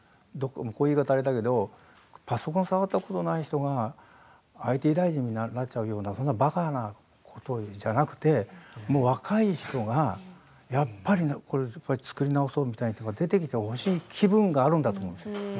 こういう言い方はあれだけどパソコンを触ったことがない人がＩＴ大臣になっちゃうようなそんな、ばかなことじゃなくて若い人がやっぱり作り直そうみたいな人が出てきてほしい気分があると思うんですよね。